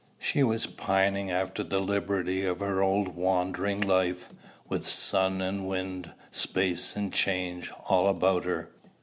She was pining after the liberty of her old wandering life, with sun and wind, space and change, all about her.